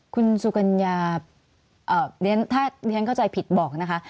คุณสุกัญญาเรียนถ้าเรียนเข้าใจผิดบอกนะคะ